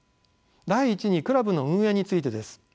第一にクラブの運営についてです。